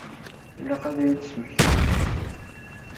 Ilaq ad iyi-d-smektint.